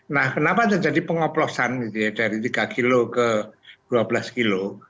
nah kenapa terjadi pengoplosan gitu ya dari tiga kilo ke dua belas kilo